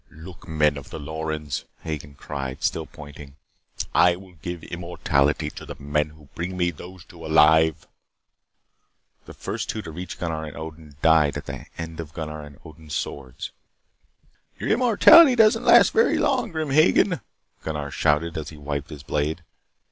"Look, men of the Lorens," Hagen cried, still pointing. "I will give immortality to the men who bring me those two alive." The first two to reach Gunnar and Odin died at the end of Gunnar's and Odin's swords. "Your immortality does not last very long, Grim Hagen," Gunnar shouted as he wiped his blade.